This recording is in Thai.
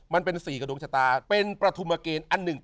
มันเป็น๔กับดวงชะตาเป็นประธุมเกณฑ์อันหนึ่ง